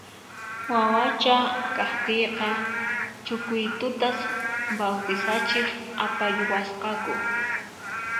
Wawacha kaqtiyqa Chucuitutas bawtisachiq apayuwasqaku